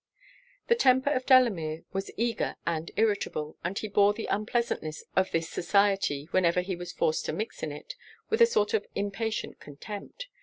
The temper of Delamere was eager and irritable; and he bore the unpleasantness of this society, whenever he was forced to mix in it, with a sort of impatient contempt.